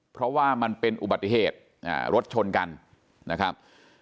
เพราะว่ามันเป็นอุบัติเหตุรถชนกันนะครับ